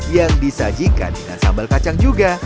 yang disajikan dengan sambal kacang juga